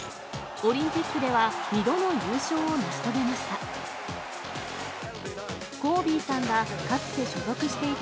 オリンピックでは２度の優勝を成し遂げました。